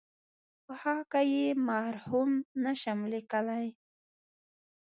په خاکه کې یې مرحوم نشم لېکلای.